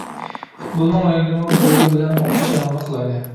پۇتبولنىڭ رەڭگىنىمۇ بۆرە بىلەن ئوخشاش رەڭدە قىلايلى.